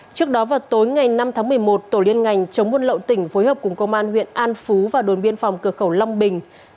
trước đó vào tối ngày năm tháng một mươi một tổ liên ngành chống buôn lậu tỉnh phối hợp cùng công an huyện an phú và đồn biên phòng cửa khẩu long bình